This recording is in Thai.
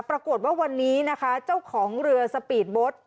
ปรากฏว่าวันนี้นะคะเจ้าของเรือสปีดโบ๊ท